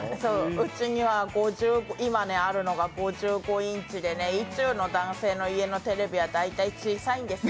うちには今あるのが５０インチでね意中の男性の家のテレビは大体小さいんですね。